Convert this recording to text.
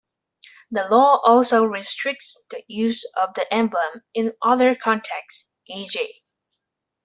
The law also restricts the use of the emblem in other contexts—e.g.